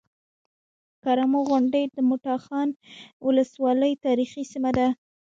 کرمو غونډۍ د مټاخان ولسوالۍ تاريخي سيمه ده